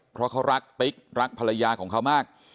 เพราะเขารักติ๊กรักภรรยาของเขามาก